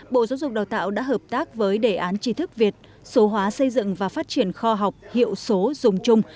bộ giáo dục đào tạo đã hợp tác với đề án trí thức việt số hóa xây dựng và phát triển kho học hiệu số dùng chung